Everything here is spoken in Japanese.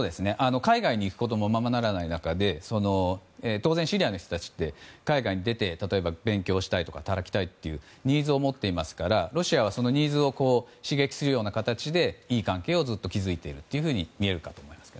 海外に行くこともままならない中で当然シリアの人たちって海外に出て、勉強したいとか働きたいというニーズを持っていますからロシアはそのニーズを刺激するような形でいい関係をずっと築いていると見えるかと思います。